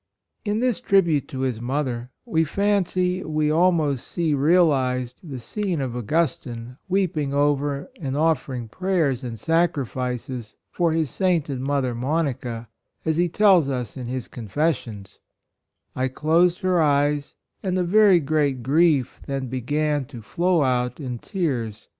109 In this tribute to his mother, we fancy we almost see realized the scene of Augustine weeping over and offering prayers and sacrifices for his sainted mother Monica, as he tells us in his Confessions :" I closed her eyes, and a very great grief then began to flow out in tears.